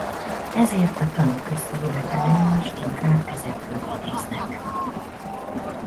Ezért a Tanúk összejövetelein is inkább ezekből idéznek.